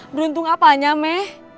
beruntung apa me